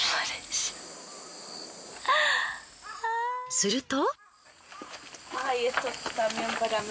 すると。